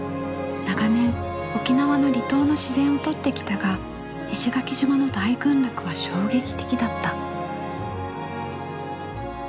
長年沖縄の離島の自然を撮ってきたが石垣島の大群落は衝撃的だった。